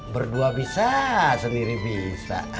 berdua bisa sendiri bisa